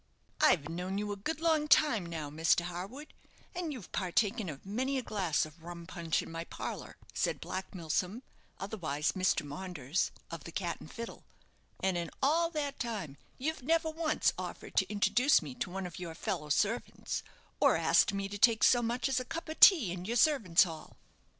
"I've known you a good long time now, Mr. Harwood, and you've partaken of many a glass of rum punch in my parlour," said Black Milsom, otherwise Mr. Maunders, of the "Cat and Fiddle "; "and in all that time you've never once offered to introduce me to one of your fellow servants, or asked me to take so much as a cup of tea in your servants' hall."